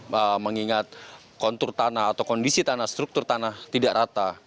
mengingat kontur tanah atau kondisi tanah struktur tanah tidak rata